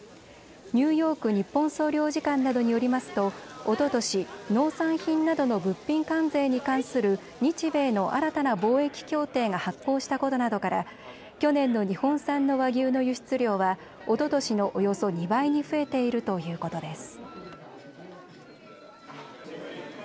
ニューヨーク日本総領事館などによりますと、おととし農産品などの物品関税に関する日米の新たな貿易協定が発効したことなどから去年の日本産の和牛の輸出量はおととしのおよそ２倍に増えているということです。